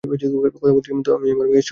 কথা বলছিলাম তো আমি মেয়ের সঙ্গে।